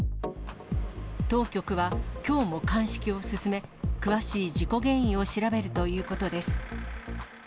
当局は、きょうも鑑識を進め、詳しい事故原因を調べるということです。